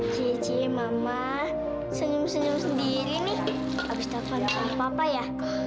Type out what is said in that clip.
cici mama senyum senyum sendiri nih habis dapat papa ya